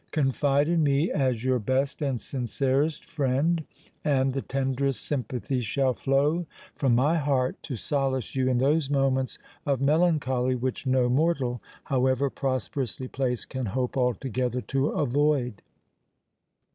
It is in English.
Confide in me as your best and sincerest friend—and the tenderest sympathy shall flow from my heart to solace you in those moments of melancholy which no mortal, however prosperously placed, can hope altogether to avoid.